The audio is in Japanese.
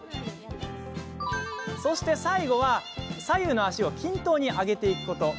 そして、最後は左右の足を均等に上げていくこと。